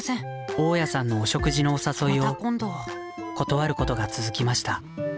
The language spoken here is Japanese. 大家さんのお食事のお誘いを断ることが続きました。